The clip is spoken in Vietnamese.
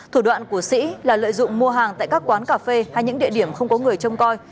thủ đoạn của sĩ là lợi dụng mua hàng tại các quán cà phê hay những địa điểm không có người trông coi